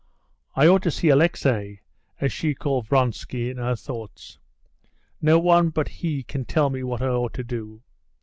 "I ought to see Alexey" (so she called Vronsky in her thoughts); "no one but he can tell me what I ought to do.